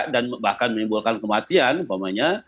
dan bahkan menimbulkan kematian